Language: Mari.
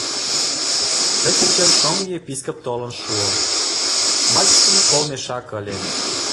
Ты кечын шоҥго Епископ толын шуо, вачыштыже кол мешак ыле.